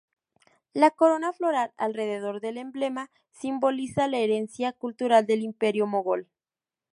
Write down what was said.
La corona floral alrededor del emblema simboliza la herencia cultural del Imperio Mogol.